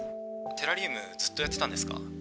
テラリウムずっとやってたんですか？